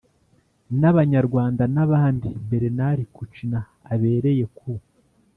n'abanyarwanda, n'abandi bernard kouchner abereye ku